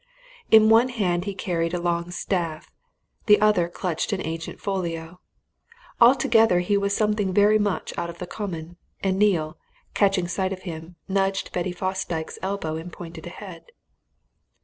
In one hand he carried a long staff; the other clutched an ancient folio; altogether he was something very much out of the common, and Neale, catching sight of him, nudged Betty Fosdyke's elbow and pointed ahead.